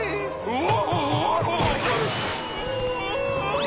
うわ。